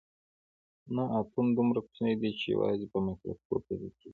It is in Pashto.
نه اتوم دومره کوچنی دی چې یوازې په مایکروسکوپ لیدل کیږي